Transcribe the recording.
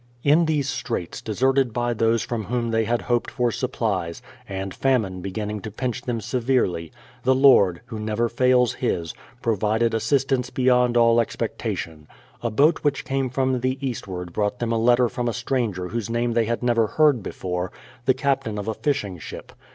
In these straits, deserted by those from whom tliey had hoped for supplies, and famine beginning to pinch them severely, the Lord, Who never fails His, provided assistance beyond all expectation. A boat which came from the east ward brought them a letter from a stranger whose name they had never heard before, the captain of a fishing ship.